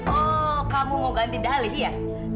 oh kamu mau ganti dalih ya